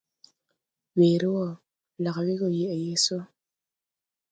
Weere wɔ, lag we go yeg yeg sɔ.